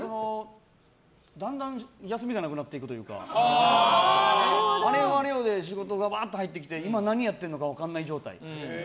だんだん休みがなくなっていくというか仕事がガバッと入ってきて今、何やってるのか分からない状態。